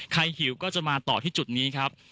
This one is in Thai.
หิวก็จะมาต่อที่จุดนี้ครับ